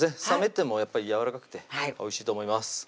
冷めてもやわらかくておいしいと思います